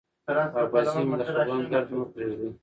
او په ذهن مو د خفګان ګرد مه پرېږدئ،